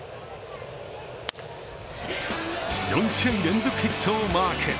４試合連続ヒットをマーク。